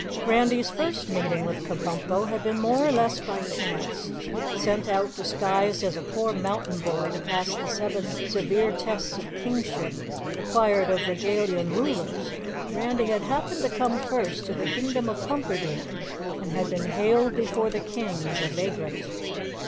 Randy's first meeting with Kabumpo had been more or less by chance. Sent out disguised as a poor mountain boy to pass the seven severe tests of Kingship required of Regalian Rulers, Randy had happened to come first to the Kingdom of Pumperdink and had been hailed before the King as a vagrant.